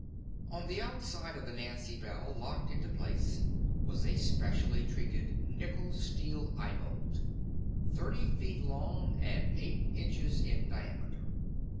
On the outside of the Nancy Bell, locked into place, was a specially treated nickel steel eye bolt thirty feet long and eight inches in diameter.